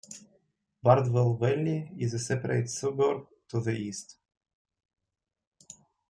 Bardwell Valley is a separate suburb, to the east.